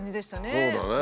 そうだよね。